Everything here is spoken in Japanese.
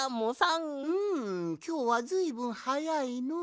んんきょうはずいぶんはやいのう。